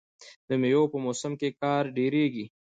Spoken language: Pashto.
د میوو په موسم کې کار ډیریږي.